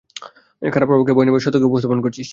খারাপ প্রভাবকে ভয় না পেয়ে সত্যকে উপস্থাপন করছিস।